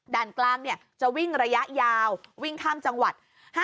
ด่านกลางเนี่ยจะวิ่งระยะยาววิ่งข้ามจังหวัด๕๐๐๐๑๑๐๐๐